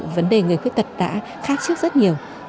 vấn đề người khuyết tật đã khác trước rất nhiều